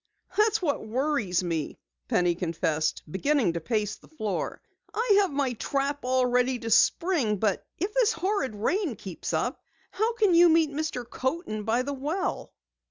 "That's what worries me," Penny confessed, beginning to pace the floor. "I have my trap all ready to spring, but if this horrid rain keeps up, how can you meet Mr. Coaten by the well?"